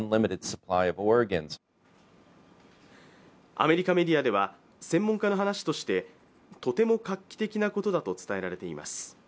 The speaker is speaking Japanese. アメリカメディアでは専門家の話としてとても画期的なことだと伝えられています。